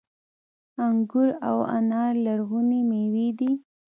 انګور او انار لرغونې میوې دي